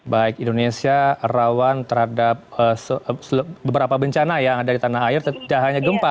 baik indonesia rawan terhadap beberapa bencana yang ada di tanah air tidak hanya gempa